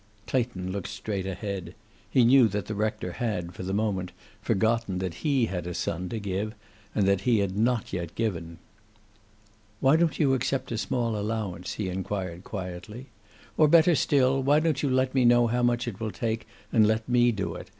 Clayton looked straight ahead. He knew that the rector had, for the moment, forgotten that he had a son to give and that he had not yet given. "Why don't you accept a small allowance?" he inquired quietly. "Or, better still, why don't you let me know how much it will take and let me do it?